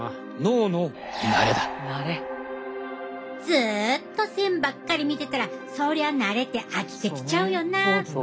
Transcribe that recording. ずっと線ばっかり見てたらそりゃなれて飽きてきちゃうよな。